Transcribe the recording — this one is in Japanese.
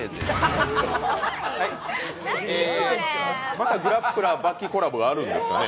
また「グラップラー刃牙」コラボがあるんですかね？